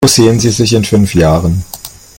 Wo sehen Sie sich in fünf Jahren?